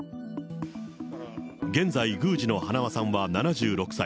現在、宮司の花輪さんは７６歳。